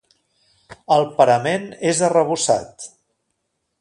El parament és arrebossat.